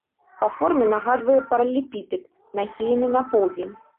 Па форме нагадвае паралелепіпед, нахілены на поўдзень.